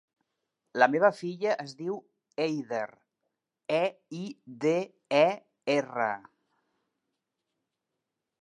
La meva filla es diu Eider: e, i, de, e, erra.